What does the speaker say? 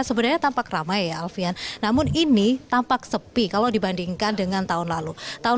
sebenarnya tampak ramai ya alfian namun ini tampak sepi kalau dibandingkan dengan tahun lalu tahun